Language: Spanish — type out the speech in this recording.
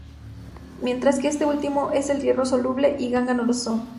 Mientras que este último es el hierro soluble y ganga no lo son.